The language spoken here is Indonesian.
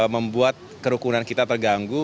membuat kerukunan kita terganggu